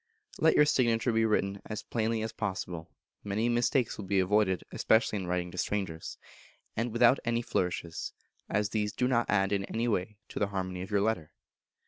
Let your signature be written as plainly as possible (many mistakes will be avoided, especially in writing to strangers), and without any flourishes, as these do not add in any way to the harmony of your letter.